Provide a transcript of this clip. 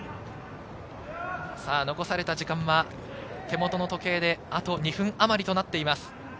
残された時間は、手もとの時計であと２分あまりとなっています。